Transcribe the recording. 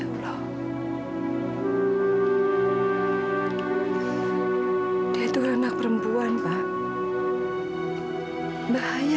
sampai jumpa di video selanjutnya